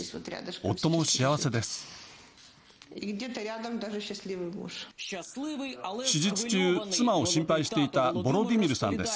夫も幸せです。